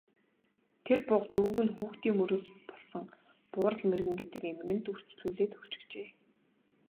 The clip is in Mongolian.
Тэр буга дүүг нь хүүхдийн мөрөөс болсон Буурал мэргэн гэдэг эмгэнд үрчлүүлээд өгчихжээ.